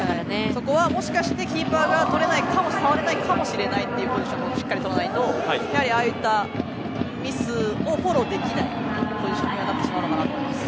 そこは、もしかしてキーパーが触れないかもしれない取れないかもしれないということをしっかり考えないとやはりああいったミスをフォローできない状況になってしまうのかなと思います。